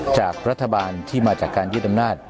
จากรัฐบาลที่มาจากการยึดอำนาจ